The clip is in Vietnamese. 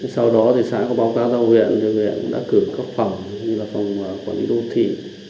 sau đó thì xã có báo cáo giao huyện giao huyện đã cử các phòng như là phòng quản lý đô thị